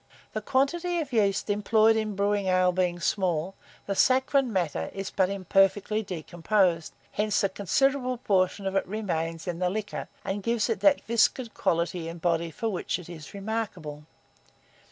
The quantity of yeast employed in brewing ale being small, the saccharine matter is but imperfectly decomposed: hence a considerable portion of it remains in the liquor, and gives it that viscid quality and body for which it is remarkable.